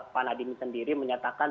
panadim sendiri menyatakan